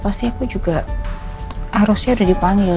pasti aku juga harusnya udah dipanggil